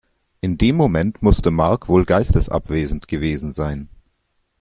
In dem Moment musste Mark wohl geistesabwesend gewesen sein.